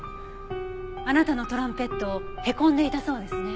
あなたのトランペットへこんでいたそうですね。